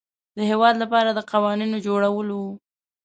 د هیواد لپاره د قوانینو جوړول وه.